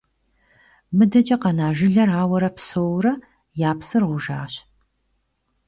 МыдэкӀэ къэна жылэр ауэрэ псэууэрэ, я псыр гъужащ.